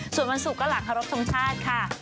ส่วนวันศุกร์ก็หลังเคารพทงชาติค่ะ